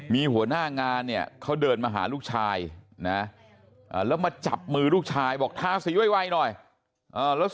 พิ้วอยู่นะโดนร่มพิ้วเลยนะแข็งที่ไหนนี่